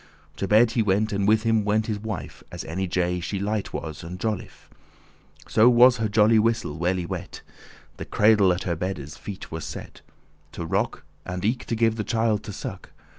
*grunting catarrh To bed he went, and with him went his wife, As any jay she light was and jolife,* *jolly So was her jolly whistle well y wet. The cradle at her beddes feet was set, To rock, and eke to give the child to suck.